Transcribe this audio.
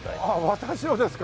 私をですか？